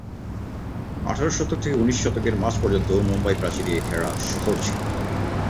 আঠারো শতক থেকে উনিশ শতকে মাঝ পর্যন্ত মুম্বাই প্রাচীরে ঘেরা শহর ছিল।